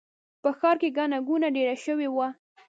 په ښار کې ګڼه ګوڼه ډېره شوې وه.